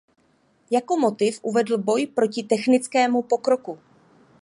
Jako motiv uvedl boj proti technickému pokroku.